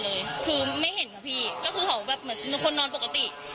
คือมีอาการอยู่เพราะว่างานตี้มันมีคือแบบไปเจอกันเนี้ยมันก็มีไงพี่